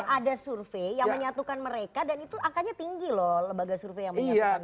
ada survei yang menyatukan mereka dan itu angkanya tinggi loh lembaga survei yang menyatakan